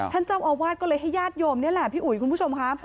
ท่านเจ้าอาวาสก็เลยให้ญาติโยมนี่แหละพี่อุ๋ยคุณผู้ชมค่ะ